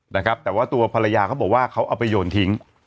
นะครับแต่ว่าตัวภรรยาเขาบอกว่าเขาเอาไปโยนทิ้ง